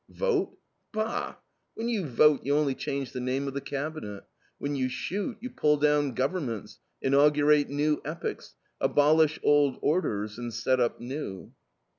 Vote! Bah! When you vote, you only change the name of the cabinet. When you shoot, you pull down governments, inaugurate new epochs, abolish old orders, and set up new."